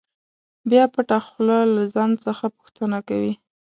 بیا پټه خوله له ځان څخه پوښتنه کوي.